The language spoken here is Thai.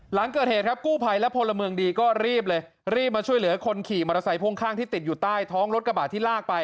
หลังเกิดเหตุครับกู้ภัยและพลเมืองดีก็รีบเลยรีบมาช่วยเหลือคนขี่มอเตอร์ไซค่วงข้างที่ติดอยู่ใต้ท้องรถกระบะที่ลากไป